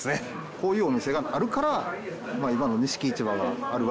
こういうお店があるから今の錦市場があるわけで。